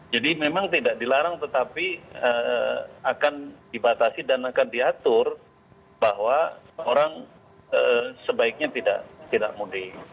jadi memang tidak dilarang tetapi akan dibatasi dan akan diatur bahwa orang sebaiknya tidak mudik